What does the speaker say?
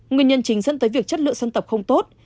nguyên nhân chính dẫn tới việc chất lượng sân tập không tốt